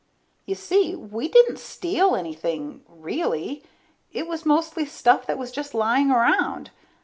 You see, we didn't steal anything, really. It was mostly stuff that was just lying around.